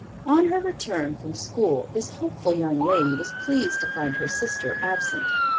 On her return from school this hopeful young lady was pleased to find her sister absent.